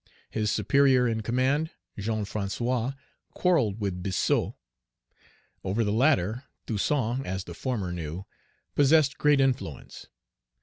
His superior in command, Jean François, quarrelled with Biassou. Over the latter, Toussaint, as the former knew, possessed great influence.